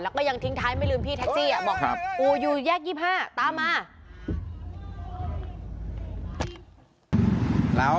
แล้วก็ยังทิ้งท้ายไม่ลืมพี่แท็กซี่บอกกูอยู่แยก๒๕ตามมา